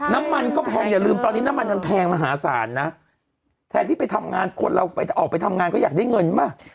น้ำมันก็แพงอย่าลืมตอนนี้น้ำมันมันแพงมหาศาลนะแทนที่ไปทำงานคนเราไปออกไปทำงานก็อยากได้เงินป่ะ